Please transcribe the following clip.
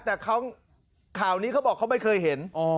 แต่ข่าวนี้เขาบอกเขาไม่เคยเห็น